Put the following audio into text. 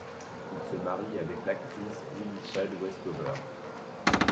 Il se marie avec l'actrice Winifred Westover.